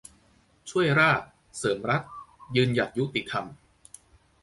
ช่วยราษฎร์ เสริมรัฐ ยืนหยัดยุติธรรม